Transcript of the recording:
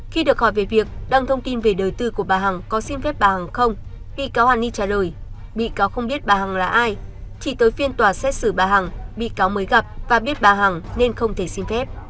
khi được hỏi về việc đăng thông tin về đời tư của bà hằng có xin phép bà hằng không bị cáo hàn ni trả lời bị cáo không biết bà hằng là ai chị tới phiên tòa xét xử bà hằng bị cáo mới gặp và biết bà hằng nên không thể xin phép